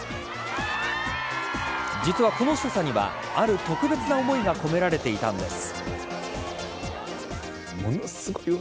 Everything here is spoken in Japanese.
実はこの所作にはある特別な思いが込められていたんです。